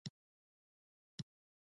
راروان دی خو پردې نو خبر نه دی